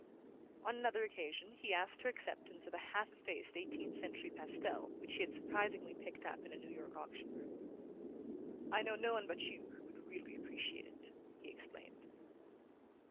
On another occasion he asked her acceptance of a half effaced eighteenth century pastel which he had surprisingly picked up in a New York auction room. "I know no one but you who would really appreciate it," he explained.